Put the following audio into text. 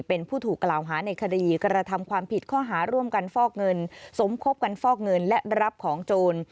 เป็นผู้ถูกกล่าวหาในคดีกระทำความผิดข้อหาร่วมกันฟอกเงินสมคบกันฟอกเงินและรับของโจร